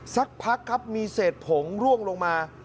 สักพักครับมีเศษผงร่วงลงมา